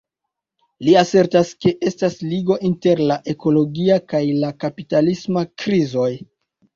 Li asertas ke estas ligo inter la ekologia kaj la kapitalisma krizoj.